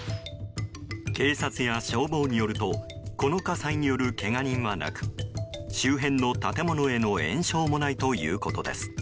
警察や消防によるとこの火災によるけが人はなく周辺の建物への延焼もないということです。